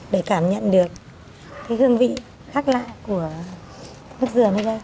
để cảm nhận được hương vị khác lạ của nước dừa này